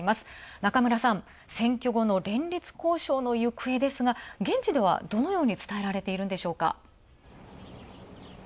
中村さん、選挙後の連立交渉の行方ですが、現地ではどのようにつたえられているのでしょうか。